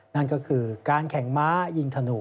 นั่นก็คือการแข่งม้ายิงถนู